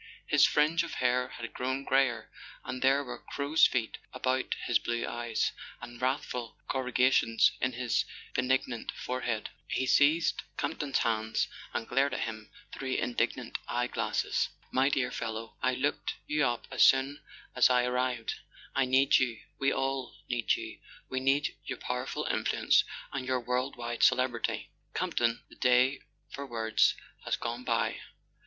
His fringe of hair had grown greyer, and there were crow's feet about his blue eyes, and wrathful corrugations in his benignant forehead. He seized Campton's hands and glared at him through indignant eye glasses. "My dear fellow, I looked you up as soon as I ar¬ rived. I need you—we all need you—we need your pow¬ erful influence and your world wide celebrity. Camp ton, the day for words has gone by.